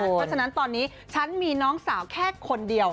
เพราะฉะนั้นตอนนี้ฉันมีน้องสาวแค่คนเดียว